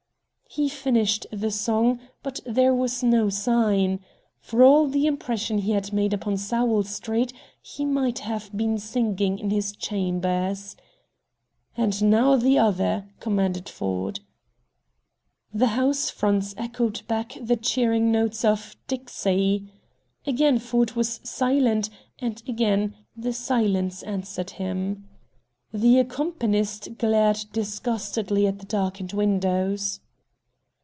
He finished the song, but there was no sign. For all the impression he had made upon Sowell Street, he might have been singing in his chambers. "And now the other," commanded Ford. The house fronts echoed back the cheering notes of "Dixie." Again Ford was silent, and again The silence answered him. The accompanist glared disgustedly at the darkened windows.